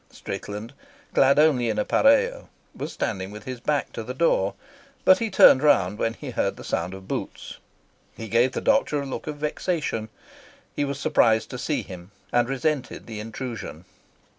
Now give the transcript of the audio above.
Strickland, clad only in a , was standing with his back to the door, but he turned round when he heard the sound of boots. He gave the doctor a look of vexation. He was surprised to see him, and resented the intrusion.